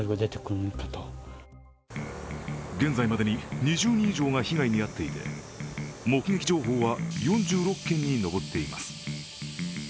現在までに２０人以上が被害に遭っていて、目撃情報は４６件に上っています。